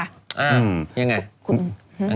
ยังไง